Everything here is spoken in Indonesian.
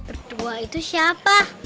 berdua itu siapa